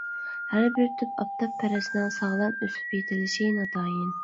ھەر بىر تۈپ ئاپتاپپەرەسنىڭ ساغلام ئۆسۈپ يېتىلىشى ناتايىن.